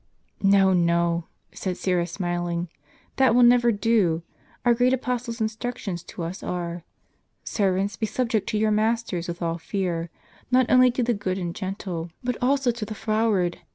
"No, no," said Syra, smiling, "that will never do. Our great Apostle's instructions to us are :' Servants be subject to your masters with all fear, not only to the good and gentle, but also to the froward.'